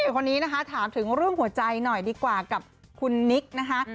คนนี้นะคะถามถึงเรื่องหัวใจหน่อยดีกว่ากับคุณนิกนะคะ